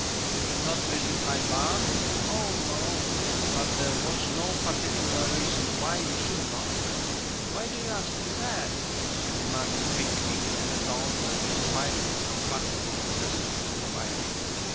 "You did not visit High Barn?" "Oh no." "But there was no particular reason why you should not?" "Why do you ask me that?" she demanded quickly, and in a tone that was quite incompatible with the simple inquiry.